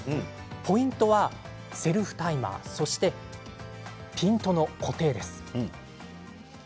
ポイントはセルフタイマーそしてピントの固定です。